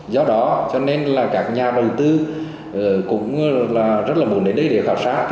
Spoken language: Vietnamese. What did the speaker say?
do đó cho nên là các nhà đầu tư cũng rất là muốn đến đây để khảo sát